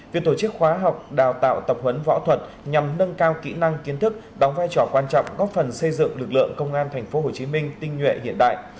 việc tổ chức khóa học đào tạo tập huấn võ thuật nhằm nâng cao kỹ năng kiến thức đóng vai trò quan trọng góp phần xây dựng lực lượng công an tp hcm tinh nhuệ hiện đại